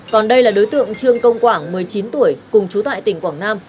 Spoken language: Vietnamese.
còn đây là đối tượng trương công quảng một mươi chín tuổi cùng chú tại tỉnh quảng nam